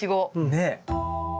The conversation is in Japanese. ねえ。